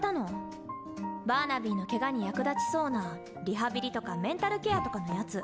バーナビーのケガに役立ちそうなリハビリとかメンタルケアとかのやつ。